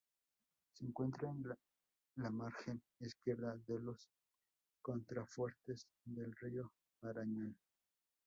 Se encuentra en la margen izquierda de los contrafuertes del río Marañón.